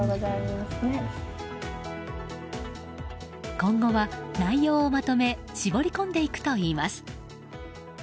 今後は内容をまとめ絞り込んでいくといいます。